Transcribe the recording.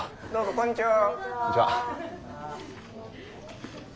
こんにちは。